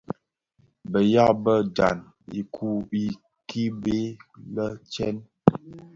Beya bë ndhaň ukibèè lè tsèn.